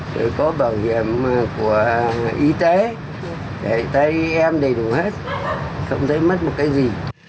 rồi có bảo hiểm của y tế để tay em đầy đủ hết không thấy mất một cái gì